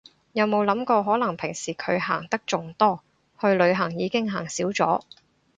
有冇諗過可能平時佢行得仲多，去旅行已經行少咗